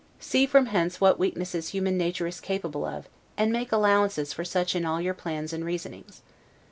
See from hence what weaknesses human nature is capable of, and make allowances for such in all your plans and reasonings.